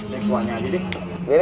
ini kuahnya aja deh